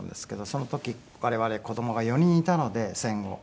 その時我々子供が４人いたので戦後。